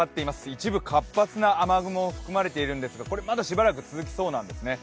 一部、活発な雨雲が含まれていますがこれ、まだしばらく続きそうなんです。